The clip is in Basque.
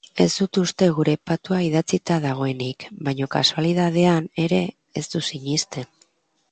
Ez dut uste gure patua idatzita dagoenik baina kasualidadean ere ez dut sinisten.